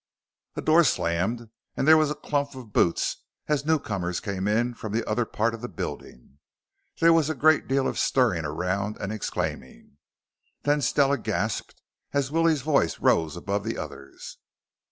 A door slammed and there was the clump of boots as newcomers came in from the other part of the building. There was a great deal of stirring around and exclaiming. Then Stella gasped as Willie's voice rose above the others.